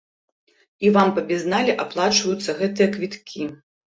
І вам па безнале аплачваюцца гэтыя квіткі.